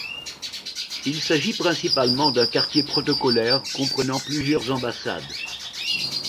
Il s'agit principalement d'un quartier protocolaire comprenant plusieurs ambassades.